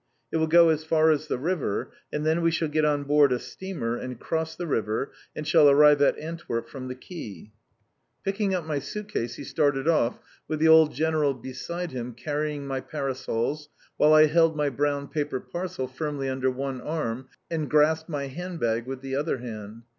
It will go as far as the river, and then we shall get on board a steamer, and cross the river, and shall arrive at Antwerp from the quay." Picking up my suit case he started off, with the old General beside him carrying my parasols, while I held my brown paper parcel firmly under one arm, and grasped my hand bag with the other hand.